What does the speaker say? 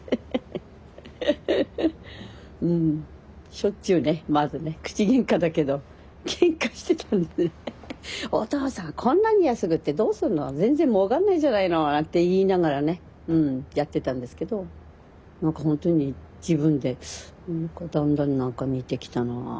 しょっちゅうねまずね口げんかだけどけんかしてたんでね「お父さんこんなに安く売ってどうすんの全然もうかんないじゃないの」なんて言いながらねうんやってたんですけど何かほんとに自分で何かだんだん何か似てきたな。